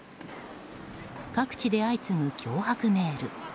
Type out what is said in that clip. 各地で相次ぐ脅迫メール。